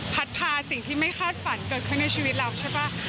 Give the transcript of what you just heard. พาสิ่งที่ไม่คาดฝันเกิดขึ้นในชีวิตเราใช่ป่ะ